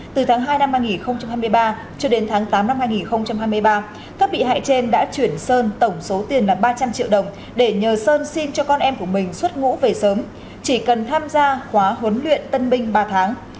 từ tháng hai năm hai nghìn hai mươi ba cho đến tháng tám năm hai nghìn hai mươi ba các bị hại trên đã chuyển sơn tổng số tiền là ba trăm linh triệu đồng để nhờ sơn xin cho con em của mình xuất ngũ về sớm chỉ cần tham gia khóa huấn luyện tân binh ba tháng